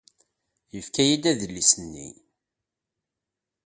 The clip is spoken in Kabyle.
Yefka-yi-d adlis-nni.